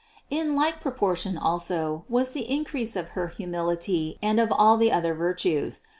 In like proportion also was the in crease of her humility and of all the other virtues.